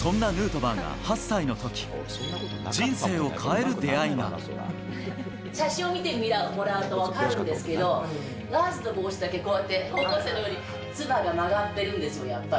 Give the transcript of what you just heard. そんなヌートバーが８歳のと写真を見てもらうと分かるんですけど、ラーズの帽子だけ、こうやって高校生のようにつばが曲がってるんですよ、やっぱり。